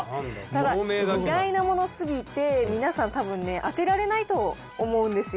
ただ意外なもの過ぎて皆さんたぶんね当てられないと思うんですよ。